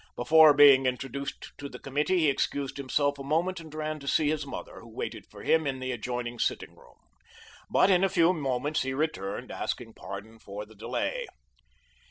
Before being introduced to the Committee, he excused himself a moment and ran to see his mother, who waited for him in the adjoining sitting room. But in a few moments he returned, asking pardon for the delay.